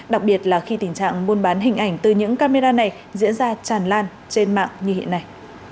đặc biệt là khi tình trạng buôn bán hình ảnh từ những camera này diễn ra tràn lan trên mạng như hiện nay